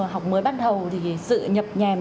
học mới bắt đầu thì sự nhập nhèm